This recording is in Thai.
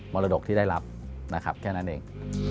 มอดกที่ได้รับแค่นั้นเอง